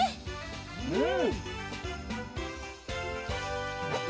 うん！